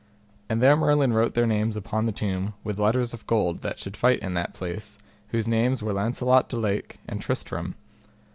And there Merlin wrote their names upon the tomb with letters of gold that should fight in that place, whose names were Launcelot de Lake, and Tristram.